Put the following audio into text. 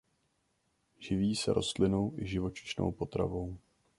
Živí se rostlinnou i živočišnou potravou.